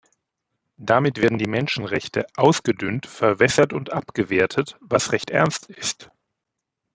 Damit werden die Menschenrechte ausgedünnt, verwässert und abgewertet, was recht ernst ist.